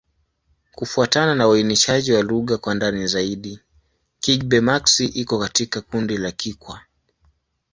Kufuatana na uainishaji wa lugha kwa ndani zaidi, Kigbe-Maxi iko katika kundi la Kikwa.